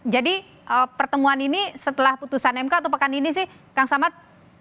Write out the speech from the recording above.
jadi pertemuan ini setelah putusan mk atau pekan ini sih kang samad